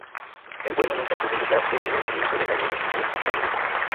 El vuelo nunca tuvo lugar debido al comienzo de la Guerra Civil Española.